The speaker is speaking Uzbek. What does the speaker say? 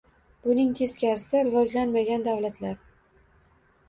Buning teskarisi — rivojlanmagan davlatlar.